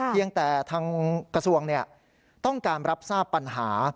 เพียงแต่ทางกระทรวงต้องการรับทราบปัญหา